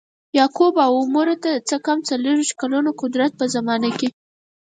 یعقوب او عمرو د څه کم څلویښت کلونو قدرت په زمانه کې.